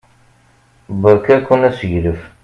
Berka-ken aseglef!